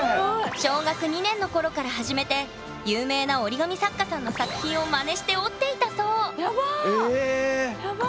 小学２年の頃から始めて有名な折り紙作家さんの作品をまねして折っていたそうヤバ！